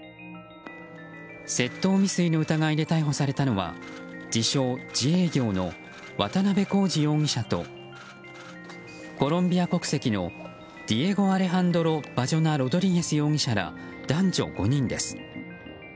窃盗未遂の疑いで逮捕されたのは自称、自営業の渡辺功二容疑者とコロンビア国籍のディエゴ・アレハンドロ・バジョナ・ロドリゲス容疑者ら男女５人です。